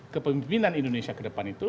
kepemimpinan indonesia ke depan itu